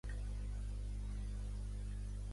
Em dic Àyoub Catena: ce, a, te, e, ena, a.